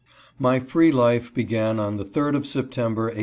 MY free life began on the third of September, 1838.